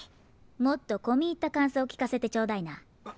もっとこみいったかんそうきかせてちょうだいな。